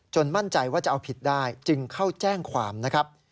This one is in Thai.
มั่นใจว่าจะเอาผิดได้จึงเข้าแจ้งความนะครับ